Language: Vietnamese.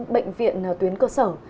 bệnh viện tuyến cơ sở